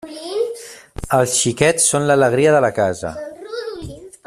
Els xiquets són l'alegria de la casa.